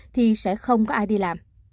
thì sẽ không có ai đi làm